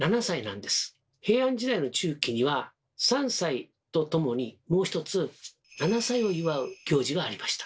平安時代の中期には３歳とともにもう一つ７歳を祝う行事がありました。